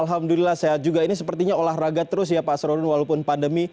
alhamdulillah sehat juga ini sepertinya olahraga terus ya pak asrorun walaupun pandemi